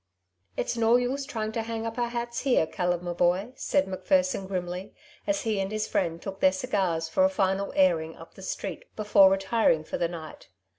.'^ It^s no use trying to hang up our bats here, Caleb my boy/^ said Macpherson grimly, as he and his friend took their cigars for a final airing up the street before retiring for the night.